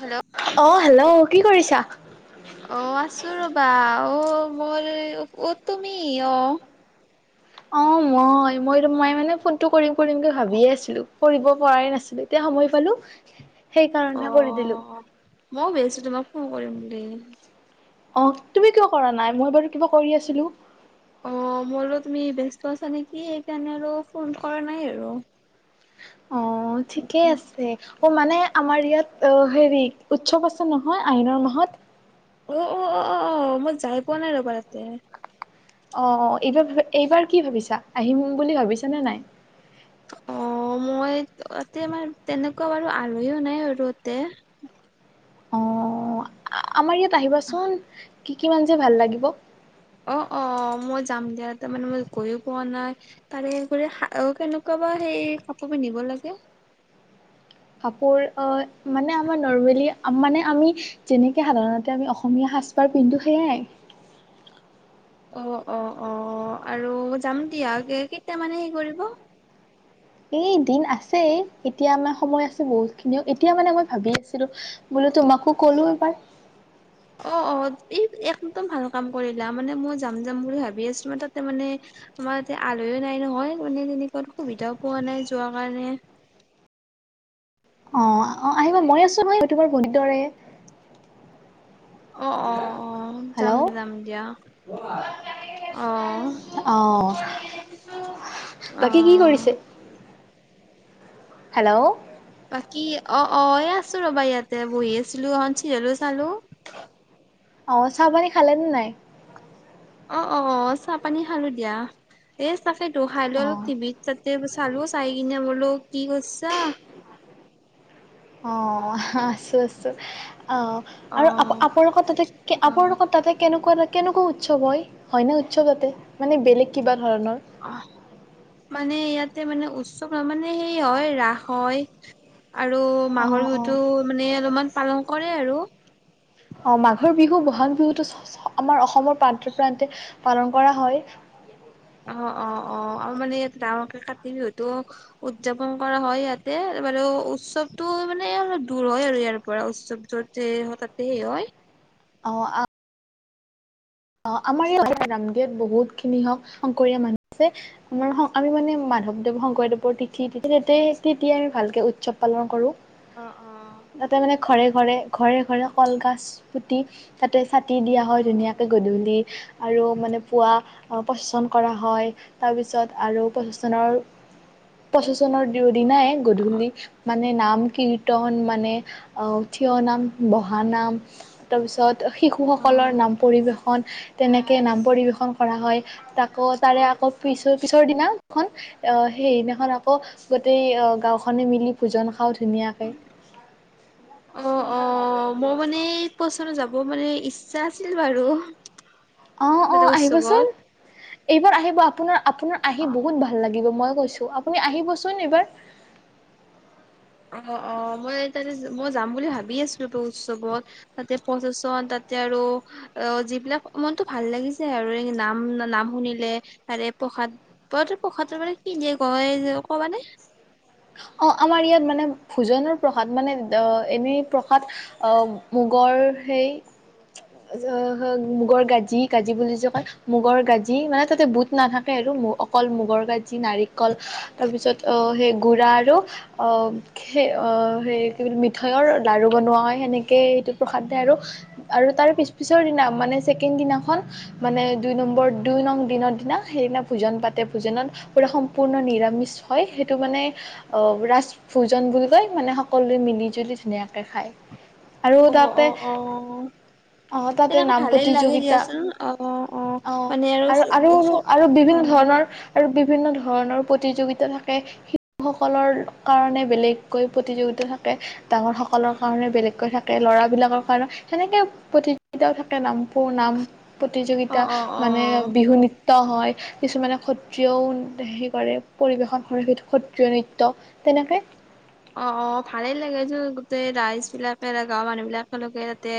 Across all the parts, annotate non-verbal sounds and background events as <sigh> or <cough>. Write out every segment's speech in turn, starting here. Hello! অ hello! কি কৰিছা? বা! অ'! মোৰ অ'! তুমি অ'! অ'! মই, মই, মই মানে, ফোনটো কৰিম কৰিমগৈ ভাবিয়ে আছিলোঁ। কৰিব পৰাই নাছিলোঁ। এতিয়া সময় পালোঁ অ'! মইয়ো ভাবিছোঁ তোমাক ফোন কৰিম বুলি! উম! অ'! তুমি কিয় কৰা নাই। মই বাৰু কিবা কৰি আছিলোঁ। অ'! মই আৰু তুমি ব্যস্ত আছা নেকি! সেইকাৰণে, আৰু ফোন কৰা নাই আৰু। অ'! ঠিকেই অ আছে। অ'! মানে, আমাৰ ইয়াত অ'! হেৰি উৎসৱ আছে নহয় আইনৰ মাহত। অ' অ' অ' অ' অ! মই যাই পোৱা নাই ৰ'বা তাতে। অ'! এইবাৰ, এইবাৰ কি ভাবিছা? আহিম বুলি ভাবিছ নে নাই? অ'! মই তাতে, আমাৰ তেনেকুৱা বাৰু আলহীও নাই বাৰু তাতে। অ'! আমাৰ ইয়াত আহিবাচোন। কি কিমান যে ভাল লাগিব। অ' অ'! মই যাম দিয়া। তাৰমানে, মই গইয়ো পোৱা নাই। তাৰে, কেনেকুৱা বা সেই কাপোৰ পিন্ধিব লাগে। কাপোৰ আঁ মানে, আমাৰ নৰ্মেলি মানে, আমি যেনেকে সাধাৰণতে আমি অসমীয়া সাজপাৰ পিন্ধো সেয়াই। অ অ অ আৰু যাম দিয়া কে কেইটামানে হেৰি কৰিব। এই দিন আছে এতিয়া আমাৰ সময় আছে বহুত খিনিও এতিয়া মানে মই ভাবি আছিলো বোলো তোমাকো কলো এবাৰ। অ অ এই একদম ভাল। কাম কৰিলা মানে মই যাম যাম বুলি ভাবি আছো মই তাতে মানে আমাৰ ইতে আলহিও নাই নহয় মানে তেনেকুৱাত সুবিধাও পোৱা নাই যোৱা কাৰণে। অ অহ আহিব মই আছো নহয় মই তোমাৰ ভনীৰ দৰে। অ অ অ হেল্ল' যাম অহ যাম দিয়া অ অ বাকী কি কৰিছে? হেল্ল'। বাকী অ অয় আছো ৰবা ইয়াতে বহি আছিলো অন চিৰলো চালো। অ চাহপানী খালেনে নাই। অ অ অ চাহ পানী খালো দিয়া এ। কেই তো খাই লৈ অলপ অ টিভিত। ত চালো চাই কিনে বোলো কি কৰিছা। অ আছো আছো। অ অ আৰু আ আপোনা লক তাতে অ আপোনা লক তাতে কেনেকুৱা লা- কেনেকুৱা উৎসৱ হয় হয়নে উৎসৱ তাতে মানে বেলেগ কিবা। ধৰণৰ? অ মানে ইয়াত মানে উৎসৱ নহ মানে সেই হয় ৰাস হয়। আৰু মাঘৰ অ', বিহুটো অ'। মানে অলপমান পালন কৰে আৰু। অ মাঘৰ বিহু বহাগ বিহুতো আমাৰ অসমৰ প্ৰান্তে প্ৰান্তে পালন কৰা হয়। অ অ অ আৰু মানে ই ডাঙৰকে কাতি বিহুটো উদযাপন কৰা হয় ইয়াতে বাৰু উৎসৱটো মানে অলপ দূৰ হয় আৰু ইয়াৰ পৰা উৎসৱ যত যে হয় তাতে সেই হয়। অ অহ। অ আমাৰ ই ৰামদোত বহুতখিনি হওক শংকৰীয়া মানুহ আছে আমাৰ আমি মানে মাধৱদেৱ শংকৰদেৱৰ তিথি তে তিয়ে আমি ভালকে উৎসৱ পালন কৰো। অ অ ঘৰে ঘৰে ঘৰে কল গছ পুতি তাতে ছাটি দিয়া হয় ধুনীয়াক- দুলি আৰু মানে পোৱা পচেচন কৰা হয় তাৰ পাছত আৰু পচেচনৰ পচেচনৰ দিউত- দিনাই গধূলি মানে। মানে নাম কীৰ্তন মানে অ থিয় নাম, বহানাম তাৰপিছত অ শিশুসকলৰ নাম। তেনেকে নাম পৰিবেশন কৰা হয় আকৌ তাৰে আকৌ পিছৰ পিছৰ দিনাখন আহ সেইদিনাখন আকৌ গোটেই গাওঁখনে মিলি ভোজন খাওঁ। ধুনীয়াকৈ। অ হ মানে ইচ্ছা আছিল বাৰু। অ অ দাদা আহিবচোন। উৎসৱত এইবাৰ আহিব আপোনাৰ। আপোনাৰ আহি অ বহুত ভাল লাগিব মই। গৈছো আপুনি আহিবচোন এইবাৰ। অ অ মই তাতে মই যাম বুলি ভাবি আছো এই উৎসৱত তাতে প্ৰচেচন তাতে আৰু অ যিবিলাক মনটো ভাল লাগিছে আৰু নাম নাম শুনিলে ত প্ৰসাদ প্ৰসাদ মানে কি দিয়ে ক যে কবানে অ আমাৰ ইয়াত মানে ভোজনৰ প্ৰসাদ মানে এনেই প্ৰসাদ আহ মুগৰ সেই মুগৰ গাজি গাজি বুলি যে ক মুগৰ গাজি মানে তাতে বুট নাথাকে আৰু অকল মুগৰ গাজি নাৰিকল তাৰ পিছত আহ সেই গুড়া আৰু সেই সে কি বুলি মিঠৈৰ লাড়ু বনোৱা হয় সেনেকৈ সেইটো প্ৰসাদে আৰু আৰু তাৰ পিছ পিছৰ দিনা মানে ছেকেণ্ড দিনাখন মানে দুই নম্বৰ দুই নং দিনৰ দিনা সেইদিনা ভোজন পাতে ভোজনত পূৰা সম্পূৰ্ণ নিৰামিষ হয় সেইটো মানে অ ৰাজ ভোজন বুলি কয় মানে সকলোৱে মিলি জুলি ধুনীয়াকে খায় আৰু অ অ তাতে অ অ তাতে সেইনে নাম ভালেই লাগে প্ৰতিযোগিতা দিয়াচোন অ অ মানে আৰু আৰু অ বিভিন্ন ধৰণৰ আৰু বিভিন্ন ধৰণৰ প্ৰতিযোগিতা থাকে লোক সকলৰ কাৰণে বেলেগকৈ প্ৰতিযোগিতা থাকে ডাঙৰসকলৰ কাৰণে বেলেগকৈ থাকে ল'ৰাবলাকৰ কাৰণে সেনেকে প্ৰতিযোগিতাও থাকে নামবোৰ নাম প্ৰতিযোগিতা অ মানে অ বিহু নৃত্য হয় কিছুমানে সত্ৰিয়াও হেৰি কৰে পৰিৱেশন কৰে সেই নৃত্য তেনেকে অ অ ভালেই লাগে গোটেই ৰাইজ বিলাকে গাঁৱৰ মানুহ বিলাকে তাতে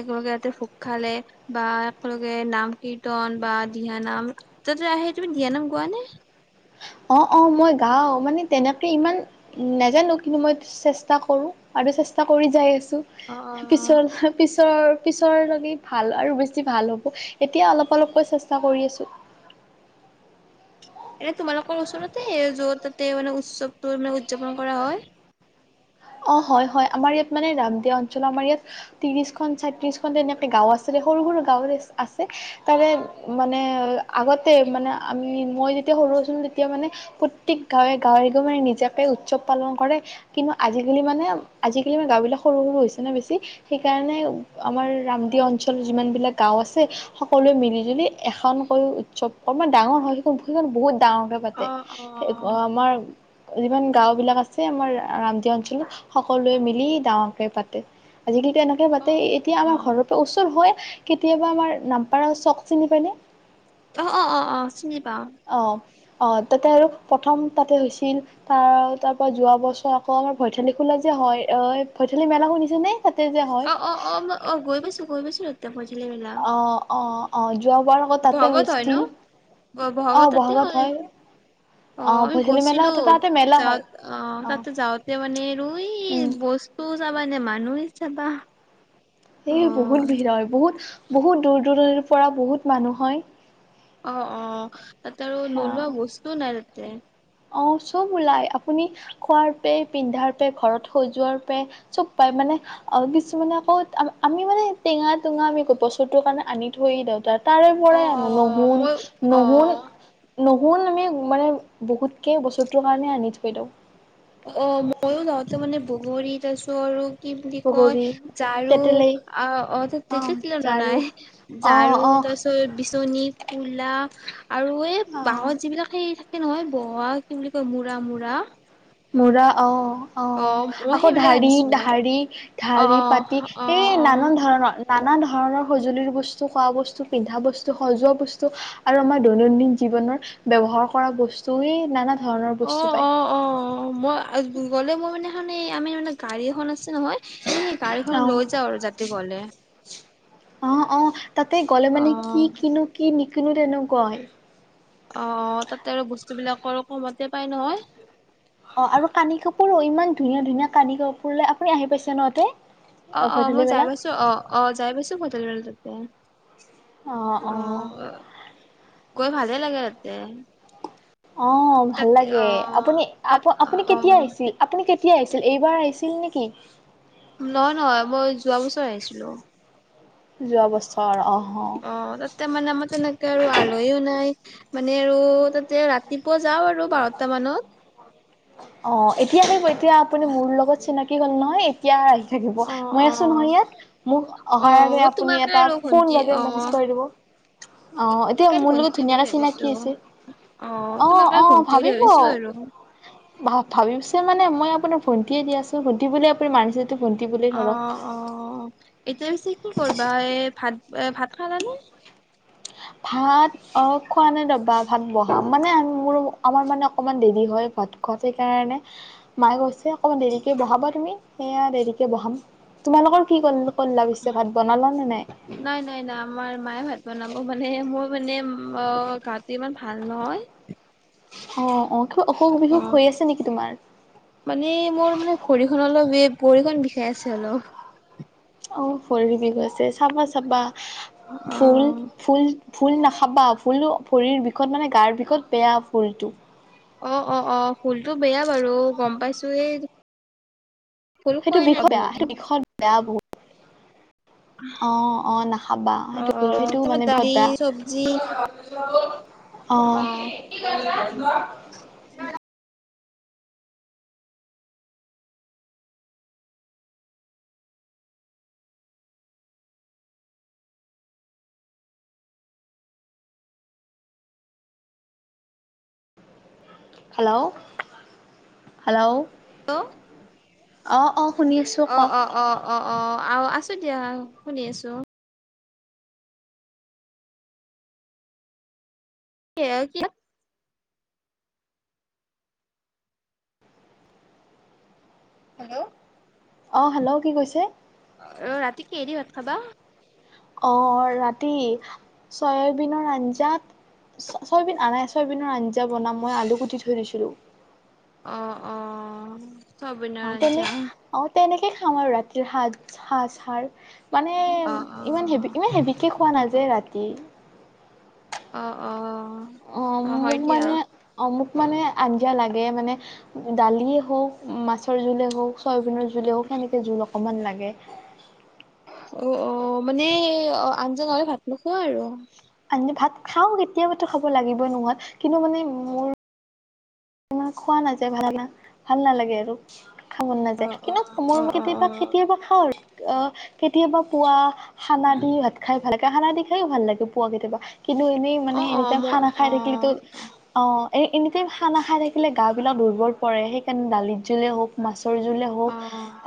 একেলগে তাতে ভোগ খালে বা একেলগে নাম কীৰ্তন বা দিহানাম তাতে সেই তুমি দিহানাম গোৱা নে অ অ মই গাওঁ মানে তেনেকে ইমান নাজানো কিন্তু মই চেষ্টা কৰো আৰু চেষ্টা কৰি যাই আছো অ অ পিছত পিছতৰ পিছৰে ভাল আৰু বেছি ভাল হ'ব এতিয়া অলপ অলপকৈ চেষ্টা কৰি আছো এনে তোমালোকৰ ওচৰতে যত তাতে মানে উৎসৱটো মানে উদযাপন কৰা হয় অ হয় হয় আমাৰ ইয়াত মানে ৰাম দিয়া অঞ্চল আমাৰ ইয়াত ত্ৰিশখন ছয়ত্ৰিশখন তেনেকে গাঁও আছিল সৰু সৰু গাঁওৰে আছে তাৰে মানে আগতে মানে আমি মই যেতিয়া সৰু আছিলো তেতিয়া মানে প্ৰত্যেক গাঁৱে গাঁৱে গ মানে নিজাকে উৎসৱ পালন কৰে কিন্তু আজিকালি মানে আজিকালি মানে গাঁওবিলাক সৰু সৰু হৈছে ন বেছি সেইকাৰণে আমাৰ ৰামদিয়া অঞ্চলৰ যিমানবিলাক গাঁও আছে সকলোৱে মিলিজুলি এখনকৈ উৎসৱ কমান ডাঙৰ হয় সেইখন সেইখন বহুত ডাঙৰকে পাতে অ অ আমাৰ যিমান গাওঁ বিলাক আছে আমাৰ ৰাম অঞ্চলত সকলোৱে মিলি ডাঙৰকে পাতে আজিকালি তেনেকৈ অ পাতে এতিয়া অ আমাৰ ঘৰৰ পৰা ওচৰ হয় কেতিয়াবা আমাৰ নামপাৰা চখ চিনি পায় নে অ অ অ অ চিনি পাওঁ অ', অ তাতে আৰু প্ৰথম তাতে হৈছিল তাৰ তাৰ পৰা যোৱা বছৰ আকৌ আমাৰ ভৈথালি খোলা যে হয় অ ভৈথালি মেলা শুনিছা নে তাতে যে হয়? অ অ অ ম অ গৈ পাইছো গৈ পাইছো তে <unintelligible> অ অ অ যোৱা বাৰ আগত তাতে বহাগত হয় ন হৈছিল অ বহাগত হয় অ আমি ভৈঠালি মেলা গৈছিলো তাতে মেলা যা হয় অ তাতে যাওঁতে মানে ৰৈ উম। বস্তু ত যাবা নে মানুহ চাবা অ এ বহুত ভিৰ হয় বহুত বহুত দূৰ দূৰণিৰ পৰা বহুত মানুহ হয় অ অ তাতে আৰু সেয়া নোলোৱা বস্তুও নাই উ অ চব ওলাই আপুনি খোৱাৰ পে পিন্ধাৰ পে ঘৰত সজোৱাৰ পে চব পায় মানে অ কিছুমানে আকৌ আমি মানে টেঙা টেঙা আমি বছৰটোৰ কাৰণে আনি থৈ দিওঁ তাত তাৰে অ পৰাই অ আনো নহুন মই অ নহুন নহল তুমি মানে বহুত। একেই বস্তুটোৰ কাৰণে আনি থৈ দিওঁ। অ মইও যাওঁতে মানে বগৰীত আছো আৰু। কি বুলি কয় বগৰী ঝাৰু তেতেলী অ অ তে না নাই অ ঝাৰু অ তাৰপিছত বিচনী কলা। আৰু এই অ বাহত যিবিলাক সেই। নহয় বোৱা কি বুলি কয় বুৰা মূৰা। মূৰা অ অ মই আকৌ সেইবিলাক ঢাৰি আনিছিলো -ঢাৰি অ -ঢাৰি পাতি অ এ নানান ধৰণৰ। নানা ধৰণৰ সজুলিৰ বস্তু খোৱা বস্তু পিন্ধা বস্তু সজোৱা বস্তু আৰু আমাৰ দৈনন্দিন জীৱনৰ ব্যৱহাৰ কৰা বস্তু এই নানা। ধৰণৰ অ অ বস্তু পায় অ অ মই গলে মোৰ মানে এ আমি মানে গাড়ী এখন আ। ছে নহয় তুমি সেই গাড়ীখন অ'। লৈ যাও আৰু যাতে গ'লে। অ অ তাতে গ'লে অ মানে কি কিনো কি। কিনো তেনেকুৱাই। অ তাতে আৰু বস্তু বিলাক আৰু কমতে পাই নহয়। অ', আৰু কানি কাপোৰো ইমান ধুনীয়া ধুনীয়া কানদি কাপোৰলে আপুনি আহি পাইছে নহতে। অ- অ মই যাই পাইছো অ অ যাই পাইছো ভটেল। এ। অঁ অঁ। গৈ ভালে লাগে তাতে। অ ভাল তাত লাগে অ আপুনি আপ তাত আপুনি অ কেতিয়া আহিছিল আপুনি। আহিছিল এইবাৰ আহিছিল নেকি। নহয়- নহয় মই যোৱা বছৰ আহিছিলো। যোৱা বছৰ অ। অ তা ত মানে আমাৰ তেনেকে আৰু আলহী ও নাই। মানে আৰু তাতে ৰাতি। অ এতিয়া থিব এতিয়া আপুনি মোৰ লগত চিনাকি। কি'ল নহয়। আহি থাকিব অ মই অ আছো নহয় ইয়াত মোক অ অহাৰ আগে মই আপুনি তোমাকে এটা আৰু ফোন ভন্টি লগে অ মেছেজ কৰি দিব অ মই এতিয়া তোমাকে আৰু মোৰ লগত ভন্টি বুলি ধুনীয়াটা ভাবিছো চিনাকি আছে অ। তোমাক আৰু অ ভন্টি বুলি ভাবিব ভাবিছো আৰু ভাবি। মানে মই আপোনাক ভণ্টিয়ে দি আছো ভণ্টি বুলি আপুনি মানিছে। অ অ এতিয়া পিছে। কি কৰবা এ ভাল। ভাত ভাত খালানে ভাত অ খোৱা নাই ৰবা ভাত বনাম মানে মোৰ আমাৰ মানে অকমান দেৰি হয় ভাত খোৱাত সেইকাৰণে মায়ে কৈছে অকমান দেৰিকে বহাবা তুমি সেয়া দেৰিকে বহাম তোমালোকৰ কি কৰিল নাই নাই নাই আমাৰ মায়ে ভাত বনাব মানে অ মানে মোৰ মানে গাটো ইমান ভাল নহয় অ অ কিবা অসুখ বিসুখ অ হৈ আছে নেকি তোমাৰ মানে মোৰ মানে ভৰিখন অলপ ভৰিখন বিষাই আছে অলপ অঁ ভৰি বিষ হৈছে চাবা চাবা অ ফুল ফুল ফুল নাখাবা ফুল ভৰিৰ বিষত মানে গাৰ বিষত বেয়া ফুলটো অ অ অ ফুলটো বেয়া বাৰু গম পাইছো এই ভুল সেইটো খোৱাই নাই বিষয়া বহুত সেইটো দিন বিষয় বেয়া বহুত আহ আহ নাখাবা অ সেইটো অ সেইটো তোমাৰ মানে দালি বহত বেয়া চবজি আহ অ ন হেল্ল' হেল্ল' হেল্ল' অ অ অ অ অ অ অ অ আছো দিয়া শুনি আছো কিয়ে হেল্ল' অ হেল্ল' কি কৈছে অ ৰাতি কি এৰি ভাত খাবা অ ৰাতি চয়াবিনৰ আঞ্জাতচয়াবিন আ চয়াবিনৰ আঞ্জা বনাম মই আলু কুটি থৈ দিছিলো <unintelligible> অ অ অ চয়াবিনৰ তেনে আঞ্জা অ তেনে কে বিশেষ খাম আৰু ৰাতিৰ সাজ সাজ সাৰ মানে অ অ ইমান হেভি ইমান হেভিকে খোৱা নাই যে ৰা প্ৰতি অ অ অ হয় মোক দিয়া মানে অমুক মানে আঞ্জা লাগে মানে দালিয়েই হওক মাছৰ জোলেই হওক চয় জুলও সনে জোল অকমান লাগে অ অ মানে অ আজ্ঞানহলে ভাত নোখোৱা আৰু আ ভাত খাওঁ কেতিয়াবাটো খাব লাগিবই নহয় কিন্তু মানে মোৰ ইমান খোৱা নাযায় তেনভাল নালাগে আৰু খাব মন অ নাযায় অ কিন্তু কৰ অ অ কেতিয়াবা অ খেতিয়াবা খাওঁ আৰু আহ কেতিয়াবা পুৱা খানা দি ভাত খাই ভাল কাহানা দেখাই ভাল লাগে পুৱা কেতিয়াবা কিন্তু এনেই অ মানে অ এনে মই খানা খাই অ থাকিলো অ এ এনেকে খানা খাই থাকে আে গা বিলাক দুৰ্বল পৰে সেইকাৰণে দালিত জোলে হওক মাছ জ অ হওক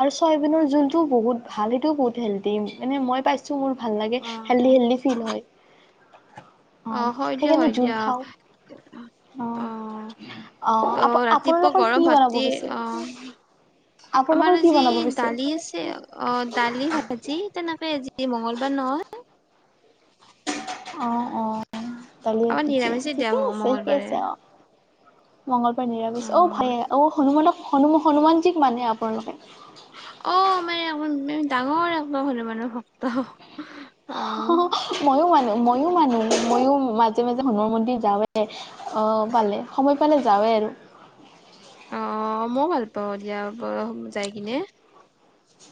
আৰু চয়নৰ জ সটো বহুত ভাল সেইটোও বহুত হেল্ডি মানে মই পাইছো মোৰ ভাল লাগে অ হেল্ডি হেল্ডি ফিল হয় <unintelligible> অ হয় দিয়া সেইকাৰণে হয় জোল দিয়া খাওঁ অ অ আপ ৰাতিপুৱা আপোনালোকৰ কি গৰম বনাব ভাত পিছে? আহ আপোনালোকৰ আমাৰ কি আজি বনাব পিছে? দালি আছে অ দালি আজি তেনেকে আজি মংগলবাৰ নহয় অ অ চালিয়ে আমাৰ খুজি নিৰামিষে দিয়া ঠিকে আছে ঠিকে মংগলবাৰে আছে অ মংগলবাৰ নিৰা গৈছে অ ভাইে অ হনুমানক হনু হনুমানজীক মানে আপোনালোকে অ মানে আকৌ ডাঙৰ একখলে মানুহ ভক্ত অ মইয়ো মানো মইয়ো মানো মইয়ো মাজে মাজে হণুমান মন্দিৰ যাওঁৱে অ পালে সময় মানে যাওৱেই আৰু আহ মই ভাল পাওঁ দিয়া যাই কিনে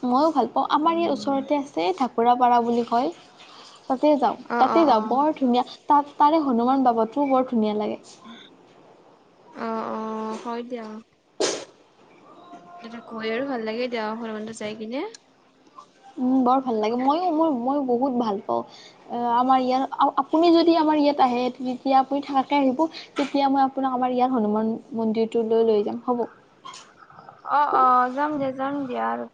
মইয়ো ভাল অঁ আমাৰ ইয়াত উম ওচৰতে আছে পুৰাপাৰা বুলি কয় তাতে যাওঁ অ অ তাতে অ যাওঁ বৰ ধুনীয়া তাত তাৰে হনুমান বাবা টোও বৰ ধুনীয়া লাগে আহ অ হয় দিয়া কৈ আৰু ভাল লাগে এতিয়া হনুমান মন্দিৰ যাই কিনে উম বৰ ভাল লাগে মইো মোৰ মইো বহুত ভাল পাওঁ আহ আমাৰ ইয়াত আপুনি যদি আমাৰ ইয়াত আহে তেতিয়া আপুনি থাকাকে আহিব তেতিয়া মই আপোনাক আমাৰ ইয়াত হনুমান মন্দিৰটোলৈ লৈ যাম হ'ব অ অ যাম দিয়া যাম দিয়া আৰু